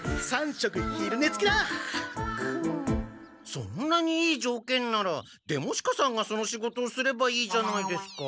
そんなにいいじょうけんなら出茂鹿さんがその仕事をすればいいじゃないですか。